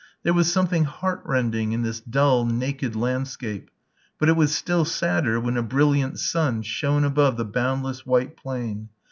There was something heartrending in this dull, naked landscape, but it was still sadder when a brilliant sun shone above the boundless white plain.